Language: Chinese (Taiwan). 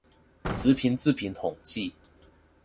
詞頻字頻統計